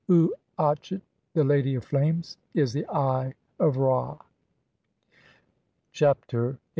Uatchet, the Lady of Flames, is the Eye of Ra. Chapter XVIII.